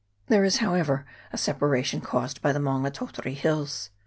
There is, however, a separation caused by the Maunga Tautari Hills.